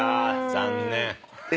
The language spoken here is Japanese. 残念。